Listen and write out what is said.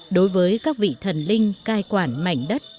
đối với các vị thần linh cai quản mảnh đất